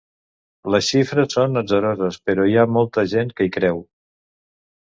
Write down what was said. Les xifres són atzaroses, però hi ha molta gent que hi creu.